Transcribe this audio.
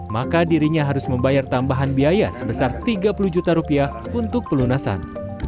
maka dirinya harus membayar tambahan biaya sebesar tiga puluh juta rupiah untuk pelunasan